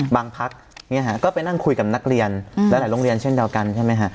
บางพักก็ไปนั่งคุยกับนักเรียนหลายโรงเรียนเช่นเดียวกันใช่ไหมฮะ